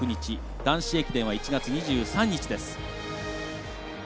男子駅伝は１月２３日です。